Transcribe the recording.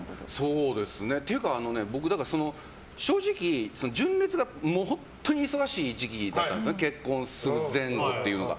そうですね。というか僕、正直純烈が本当に忙しい時期だったんです結婚する前後っていうのが。